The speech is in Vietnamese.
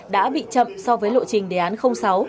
đã bị chậm so với lộ trình đề án sáu